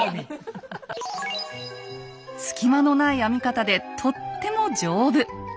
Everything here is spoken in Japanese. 隙間のない編み方でとっても丈夫。